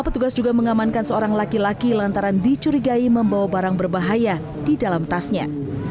petugas juga mengamankan seorang laki laki lantaran dicurigai membawa barang berbahaya di dalam tasnya